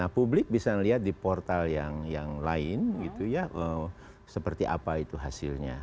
publik bisa lihat di portal yang lain gitu ya seperti apa itu hasilnya